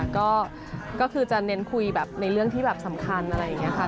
ก็คือจะเน้นคุยในเรื่องที่สำคัญอะไรอย่างนี้